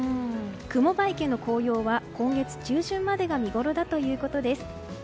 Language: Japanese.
雲場池の紅葉は今月中旬までが見ごろだということです。